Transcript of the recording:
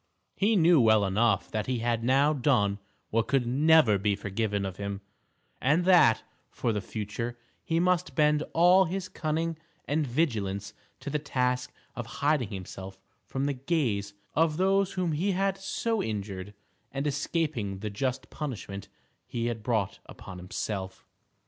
He knew well enough that he had now done what could never be forgiven him, and that, for the future, he must bend all his cunning and vigilance to the task of hiding himself from the gaze of those whom he had so injured, and escaping the just punishment he had brought upon himself.